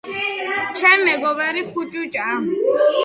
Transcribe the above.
ჩემი მეგობარი ხუჭუჭაა.